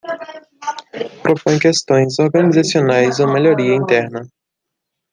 Propõe questões organizacionais ou melhoria interna.